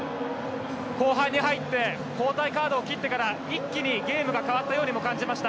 後半に入って交代カードを切ってから一気にゲームが変わったような感じでした